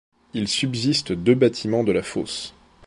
Il subsiste deux bâtiments de la fosse.